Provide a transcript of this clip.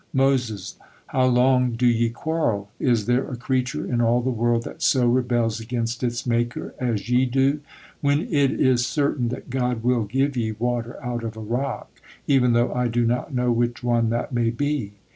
Moses: "How long do ye quarrel? Is there a creature in all the world that so rebels against its Maker as ye do, when it is certain that God will give ye water out of a rock, even though I do not know which one that may be!"